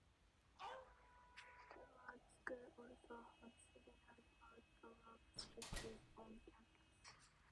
Steward School also has several outdoor facilities on campus.